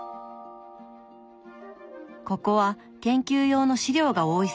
ここは研究用の資料が多いそうです。